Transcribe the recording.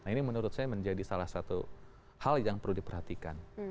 nah ini menurut saya menjadi salah satu hal yang perlu diperhatikan